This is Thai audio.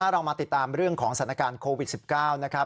เรามาติดตามเรื่องของสถานการณ์โควิด๑๙นะครับ